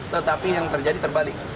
tetapi yang terjadi terbalik